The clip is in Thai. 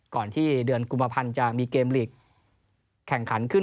ก่อนที่เดือนกุมภาพันธ์จะมีเกมลีกแข่งขันขึ้น